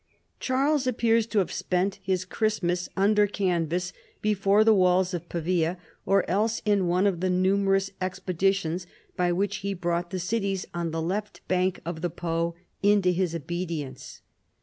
Charles appears to have spent his Christmas under canvas before the walls of Pa via, or else in one of the numerous expeditions by which he brought the cities on the left bank of the Po into his obedience.